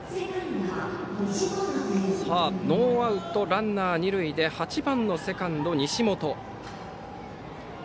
ノーアウトランナー、二塁８番セカンドの西本。